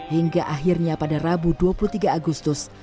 hingga akhirnya pada rabu dua puluh tiga agustus